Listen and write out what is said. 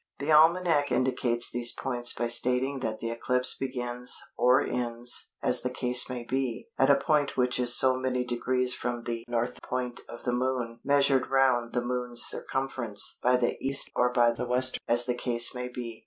The Almanac indicates these points by stating that the eclipse begins, or ends, as the case may be, at a point which is so many degrees from the N. point of the Moon measured round the Moon's circumference by the E. or by the W. as the case may be.